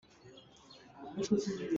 Kan inn tam deuh cu siling an ngei lo.